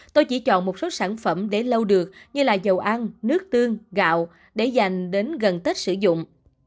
tôi chỉ chọn một số sản phẩm để lâu được như là dầu ăn nước tương gạo để dành đến gần tết sử dụng